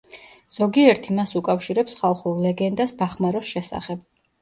ზოგიერთი მას უკავშირებს ხალხურ ლეგენდას ბახმაროს შესახებ.